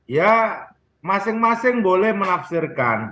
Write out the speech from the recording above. ya masing masing boleh menafsirkan